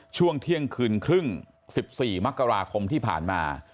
ช่วงเที่ยงคืนครึ่ง๑๔มกราคมที่ผ่านมา